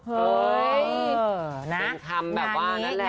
เป็นคำแบบว่านั่นแหละ